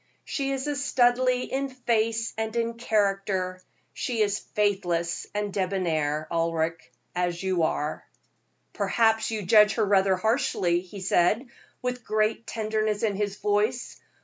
She is a Studleigh in face and in character. She is faithless and debonair, Ulric, as you are." "Perhaps you judge her rather harshly," he said, with great tenderness in his voice.